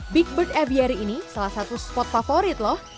big bird aviari ini salah satu spot favorit loh